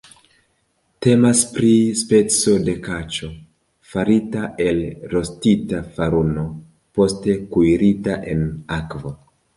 Temas pri speco de kaĉo, farita el rostita faruno, poste kuirita en akvo.